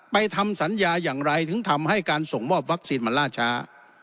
ทำสัญญาอย่างไรถึงทำให้การส่งมอบวัคซีนมันล่าช้า